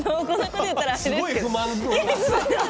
すごい不満そう。